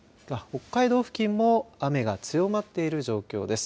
北海道付近も雨が強まっている状況です。